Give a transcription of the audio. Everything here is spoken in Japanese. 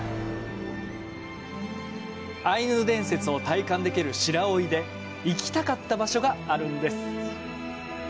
アイヌ伝説を体感できる白老で行きたかった場所があるんです。